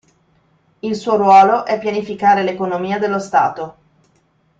Il suo ruolo è pianificare l'economia dello stato.